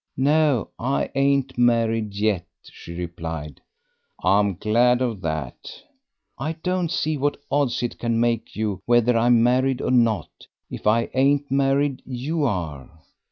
"No, I ain't married yet," she replied. "I'm glad of that." "I don't see what odds it can make to you whether I'm married or not. If I ain't married, you are."